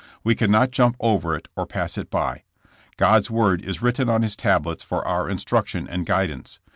We cannot jump over it or pass it by. God^s word is written on His tablets for our instruction and guidance.